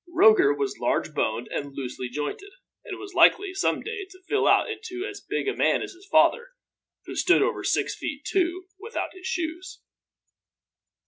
Roger was large boned and loosely jointed, and was likely some day to fill out into as big a man as his father, who stood over six feet two without his shoes.